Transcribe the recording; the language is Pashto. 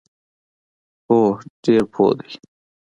هو، ډیر پوه دي